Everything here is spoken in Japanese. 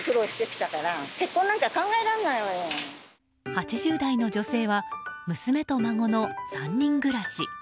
８０代の女性は娘と孫の３人暮らし。